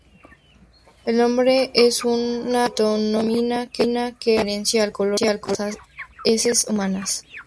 El nombre es una metonimia que hace referencia al color de las heces humanas.